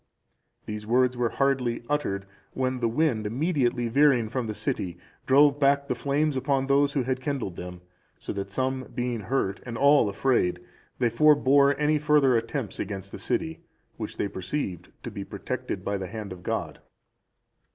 These words were hardly uttered, when the wind immediately veering from the city, drove back the flames upon those who had kindled them, so that some being hurt, and all afraid, they forebore any further attempts against the city, which they perceived to be protected by the hand of God.